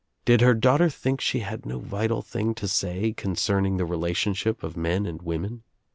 Did her daughter think she had no vital thing to say concerning the relationship of men and women?